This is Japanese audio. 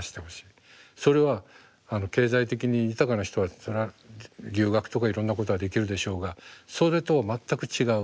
それは経済的に豊かな人はそれは留学とかいろんなことができるでしょうがそれと全く違う。